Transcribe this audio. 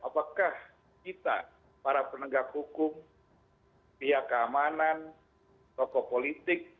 apakah kita para penegak hukum pihak keamanan tokoh politik